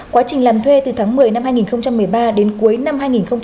quá trình làm thuê từ tháng một mươi năm hai nghìn một mươi ba đến cuối năm hai nghìn một mươi bảy